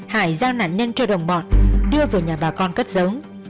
hải giao nạn nhân cho đồng bọn đưa về nhà bà con cất dấu